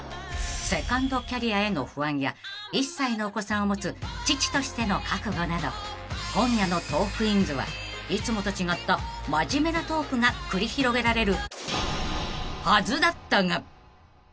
［セカンドキャリアへの不安や１歳のお子さんを持つ父としての覚悟など今夜の『トークィーンズ』はいつもと違った真面目なトークが繰り広げられる］